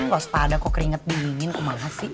waspada kok keringet dingin kok malas sih